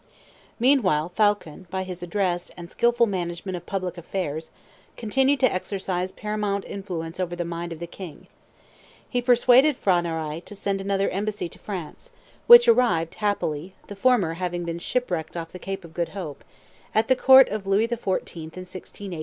Meanwhile Phaulkon, by his address, and skilful management of public affairs, continued to exercise paramount influence over the mind of the king. He persuaded P'hra Narai to send another embassy to France, which arrived happily (the former having been shipwrecked off the Cape of Good Hope) at the Court of Louis XIV. in 1689.